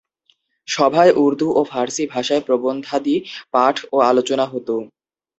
সভায় উর্দু ও ফারসি ভাষায় প্রবন্ধাদি পাঠ ও আলোচনা হতো।